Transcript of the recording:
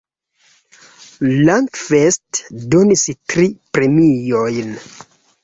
Langfest donis tri premiojn.